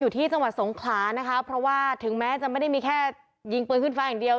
ที่จังหวัดสงขลานะคะเพราะว่าถึงแม้จะไม่ได้มีแค่ยิงปืนขึ้นฟ้าอย่างเดียว